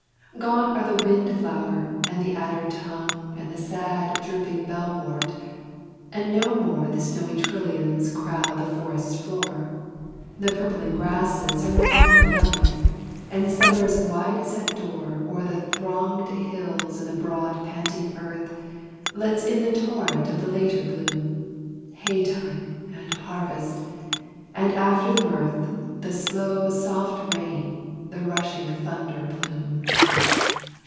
Gone are the wind flower and the adder tongue And the sad drooping bellwort, and no more The snowy trilliums crowd the forest's floor; The purpling grasses are no longer young, And summer's wide set door O'er the thronged hills and the broad panting earth Lets in the torrent of the later bloom, Haytime, and harvest, and the after mirth, The slow soft rain, the rushing thunder plume.